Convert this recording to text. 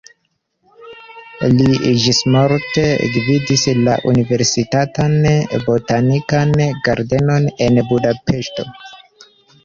Li ĝismorte gvidis la universitatan botanikan ĝardenon en Budapeŝto.